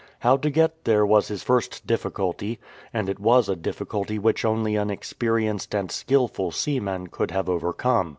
How to get there was his first difficulty, and it was a difficulty which only an 244 RETURN TO ENGLAND experienced and skilful seaman could have overcome.